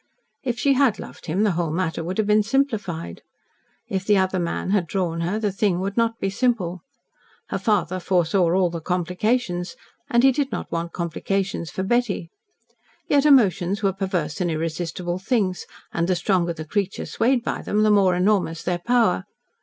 If she had loved him, the whole matter would have been simplified. If the other man had drawn her, the thing would not be simple. Her father foresaw all the complications and he did not want complications for Betty. Yet emotions were perverse and irresistible things, and the stronger the creature swayed by them, the more enormous their power.